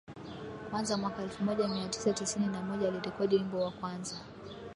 kwanza mwaka elfu moja mia tisa tisini na moja alirekodi wimbo wa kwanza